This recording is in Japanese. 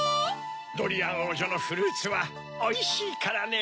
ドリアンおうじょのフルーツはおいしいからねぇ。